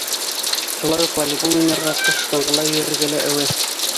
Шулай уҡ волейбол уйнарға, ҡыш саңғыла йөрөргә лә әүәҫ.